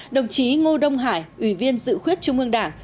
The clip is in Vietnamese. đồng chí ngô đông hải ủy viên dự khuyết trung ương đảng